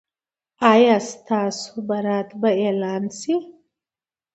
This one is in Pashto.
ایا ستاسو برات به اعلان شي؟